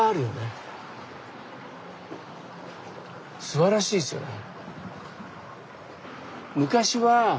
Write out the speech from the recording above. すばらしいですよね。